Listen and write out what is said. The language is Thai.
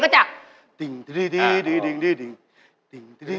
ช่างนี่หอยหลังง่ายพอเสร็จเรียบร้อยฟับเพลงก็จะ